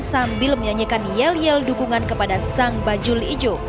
sambil menyanyikan yel yel dukungan kepada sang bajul ijo